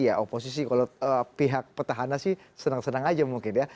ya oposisi kalau pihak petahana sih senang senang aja mungkin ya